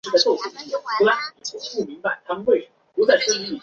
麦特尔峰是世界遗产蒂瓦希波乌纳穆地区的一部分。